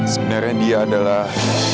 sebenarnya dia adalah